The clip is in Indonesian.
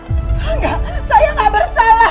enggak saya gak bersalah